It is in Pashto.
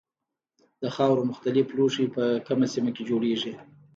د خاورو مختلف لوښي په کومه سیمه کې جوړیږي.